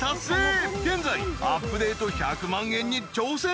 ［現在アップデート１００万円に挑戦中］